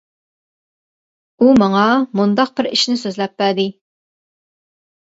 ئۇ ماڭا مۇنداق بىر ئىشنى سۆزلەپ بەردى.